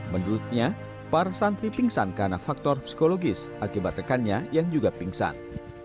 menurutnya para santri pingsan karena faktor psikologis akibat rekannya yang juga pingsan